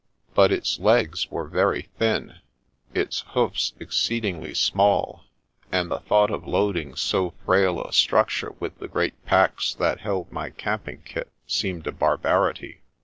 But its legs were very thin, its hoofs exceed ingly small, and the thought of loading so frail a structure with the great packs that held my camping kit seemed a barbarity.